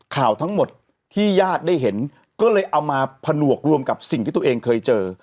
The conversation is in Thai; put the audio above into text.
ข่าวทั้งหมดที่ญาติได้เห็นก็เลยเอามาผนวกรวมกับสิ่งที่ตัวเองเคยเจอ